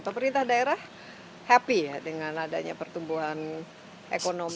pemerintah daerah happy ya dengan adanya pertumbuhan ekonomi